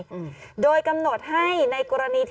กล้องกว้างอย่างเดียว